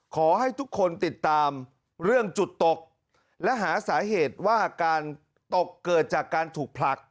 ขอให้ทุกคนติดตามเรื่องจุดตกและหาสาเหตุว่าการตกเกิดจากการถูกผลัก